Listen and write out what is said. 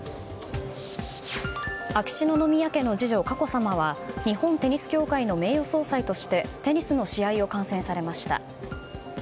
秋篠宮家の次女・佳子さまは日本テニス協会の名誉総裁としてテニスの試合を観戦されました。